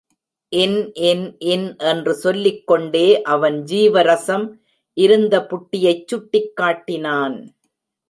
இன் இன் இன் என்று சொல்லிக் கொண்டே அவன் ஜீவரசம் இருந்த புட்டியைச் சுட்டிக் காட்டினான்.